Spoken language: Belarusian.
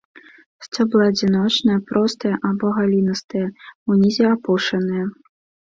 Сцёблы адзіночныя, простыя або галінастыя, унізе апушаныя.